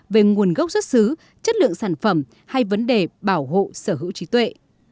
về nguồn gốc xuất xứ chất lượng sản phẩm hay vấn đề bảo hộ sở hữu trí tuệ